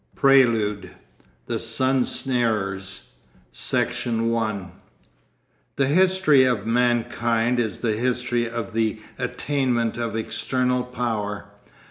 PRELUDE THE SUN SNARERS Section I The history of mankind is the history of the attainment of external power.